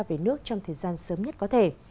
về nước trong thời gian sớm nhất có thể